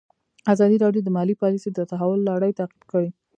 ازادي راډیو د مالي پالیسي د تحول لړۍ تعقیب کړې.